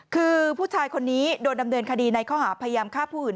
คือผู้ชายคนนี้โดนดำเนินคดีในข้อหาพยายามฆ่าผู้อื่น